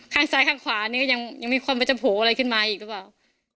ข้างซ้ายข้างขวานี่ก็ยังมีความว่าจะโผล่อะไรขึ้นมาอีกหรือเปล่า